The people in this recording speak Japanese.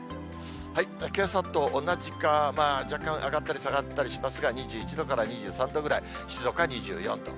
けさと同じか、若干上がったり下がったりしますが、２１度から２３度くらい、静岡２４度。